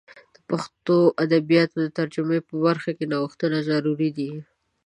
د پښتو د ادبیاتو د ترجمې په برخه کې نوښتونه ضروري دي.